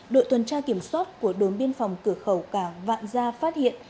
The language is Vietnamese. đội tuần tra kiểm soát của đồn biên phòng cửa khẩu cảng vạn gia phát hiện